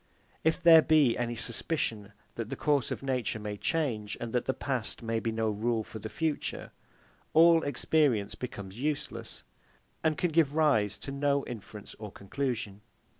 If there be any suspicion that the course of nature may change, and that the past may be no rule for the future, all experience becomes useless, and can give rise to no inference or conclusion.